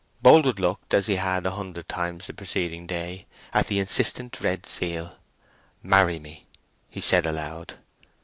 Boldwood looked, as he had a hundred times the preceding day, at the insistent red seal: "Marry me," he said aloud.